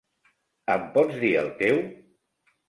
Em pots dir el teu??